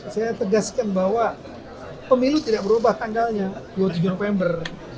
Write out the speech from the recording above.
saya tegaskan bahwa pemilu tidak berubah tanggalnya dua puluh tujuh november